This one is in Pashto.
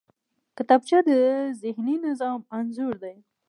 کتابچه د ذهني نظم انځور دی